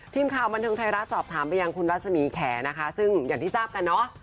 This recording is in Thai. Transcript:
ทีมข่าวบันเทิงไทยรัฐสอบถามไปยังคุณรัศมีแขนะคะซึ่งอย่างที่ทราบกันเนอะ